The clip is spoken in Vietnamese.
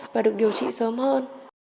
và được điều trị sớm hơn